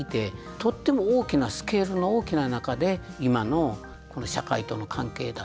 とっても大きなスケールの大きな中で今の社会との関係だとか。